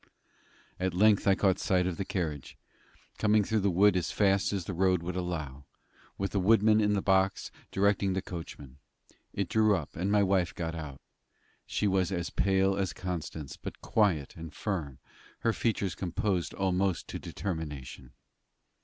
At length I caught sight of the carriage, coming through the wood as fast as the road would allow, with the woodman on the box, directing the coachman. It drew up, and my wife got out. She was as pale as Constance, but quiet and firm, her features composed almost to determination.